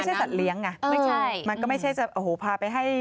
คือมันไม่ใช่สัตว์เลี้ยงอ่ะไม่ใช่มันก็ไม่ใช่จะโอ้โหพาไปให้